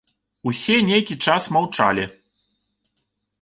Усе нейкі час маўчалі.